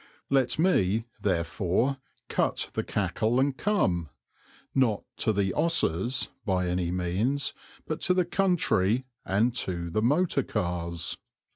Let me, therefore, "cut the cackle and come" not to "the 'osses" by any means but to the country and to the motor cars.